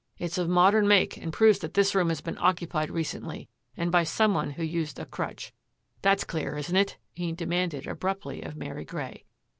" It's of modem make and proves that this room has been occupied recently and by some one who used a crutch. That's clear, isn't it? " he demanded abruptly of Mary Grey.